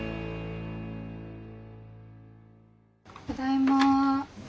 ただいま。